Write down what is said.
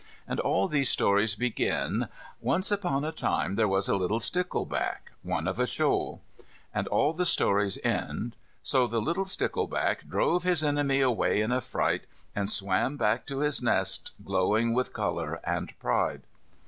And all these stories begin: "Once upon a time there was a little stickleback, one of a shoal," and all the stories end: "So the little stickleback drove his enemy away in a fright, and swam back to his nest glowing with colour and pride."